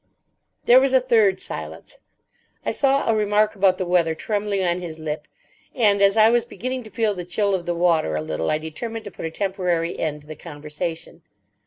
There was a third silence. I saw a remark about the weather trembling on his lip, and, as I was beginning to feel the chill of the water a little, I determined to put a temporary end to the conversation.